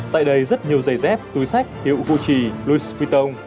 tại đây rất nhiều giày dép túi sách hiệu vụ trì louis vuitton